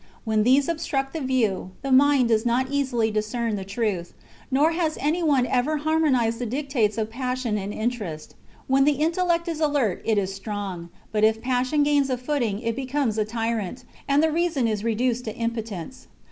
When these ob struct the view, the mind does not easily discern the~ truth ; nor has any one ever harmonized the dictates of passion and interest. When the intellect is alert 44 THE CONSPIRACY OF CATILINE. CHAP, it is strong ; but if passion gains a footing it becomes * a tyrant, and the reason is reduced to impotence.